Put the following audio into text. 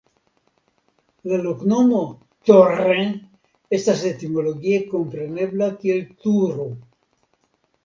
La loknomo "Torre" estas etimologie komprenebla kiel "Turo".